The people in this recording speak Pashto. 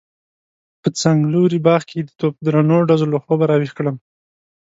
په څنګلوري باغ کې د توپ درنو ډزو له خوبه راويښ کړم.